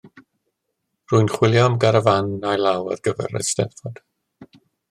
Rwy'n chwilio am garafán ail-law ar gyfer y Steddfod.